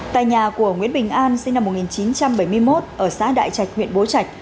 tại nhà của nguyễn bình an sinh năm một nghìn chín trăm bảy mươi một ở xã đại trạch huyện bố trạch